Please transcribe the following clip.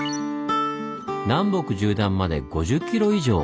南北縦断まで５０キロ以上！